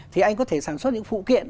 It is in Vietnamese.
thì anh có thể sản xuất những phụ kiện